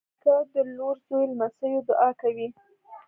نیکه د لور، زوی، لمسيو دعا کوي.